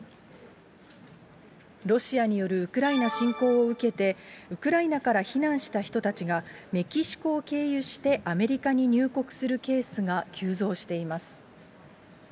ロシアによるウクライナ侵攻を受けて、ウクライナから避難した人たちがメキシコを経由してアメリカに入国するケースが急増しています。